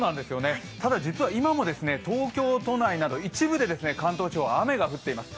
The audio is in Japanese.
ただ、実は今も東京都内など一部で関東地方、雨が降っています。